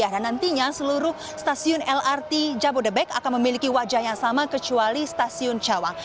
dan nantinya seluruh stasiun lrt jabodetabek akan memiliki wajah yang sama kecuali stasiun cawang